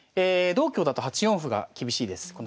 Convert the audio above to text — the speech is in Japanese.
同香だと８四歩が厳しいです。